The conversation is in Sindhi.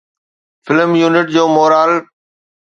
فلم يونٽ جو مورال